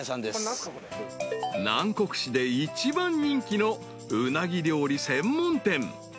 ［南国市で一番人気のうなぎ料理専門店］